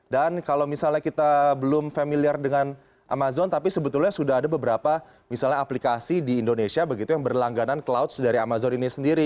dan kalau misalnya kita belum familiar dengan amazon tapi sebetulnya sudah ada beberapa misalnya aplikasi di indonesia begitu yang berlangganan clouds dari amazon ini sendiri